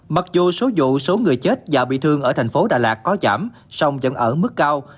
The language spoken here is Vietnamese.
mặc dù số vụ số người chết và bị thương ở thành phố đà lạt có giảm song vẫn ở mức cao